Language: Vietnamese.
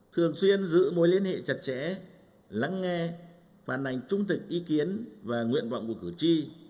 thường xuyên giữ mối liên hệ chặt chẽ lắng nghe phản ảnh trung thực ý kiến và nguyện vọng của cử tri